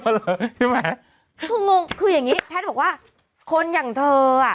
คืองงคืออย่างนี้แพทย์บอกว่าคนอย่างเธออ่ะ